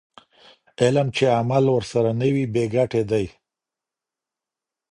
علم چې عمل ورسره نه وي بې ګټې دی.